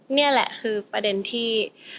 นี่แหละคือประเด็นที่